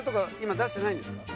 出してないです。